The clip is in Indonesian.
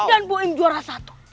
dan buim juara satu